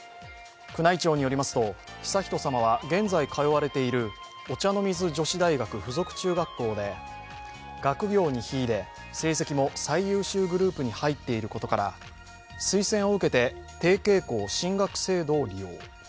宮内庁によりますと悠仁さまは現在通われているお茶の水女子大学附属中学校で学業に秀で、成績も最優秀グループに入っていることから推薦を受けて提携校進学制度を利用。